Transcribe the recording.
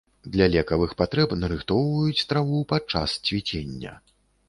Для лекавых патрэб нарыхтоўваюць траву падчас цвіцення.